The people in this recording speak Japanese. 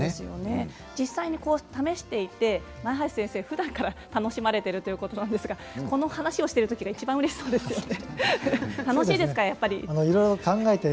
実際に試していって前橋さんふだんから楽しまれているということなんですがこの話をしているときがいちばんうれしそうですよね。